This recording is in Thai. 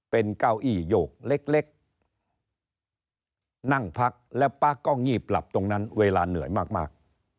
เป็นเก้าอี้โยกเล็กนั่งพักแล้วป๊าก็งีบหลับตรงนั้นเวลาเหนื่อยมาก